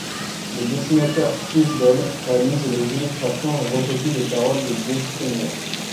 Le dessinateur Steve Bell réalise les illustrations et recopie les paroles de Joe Strummer.